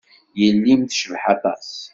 Yelli-m tecbeḥ aṭas.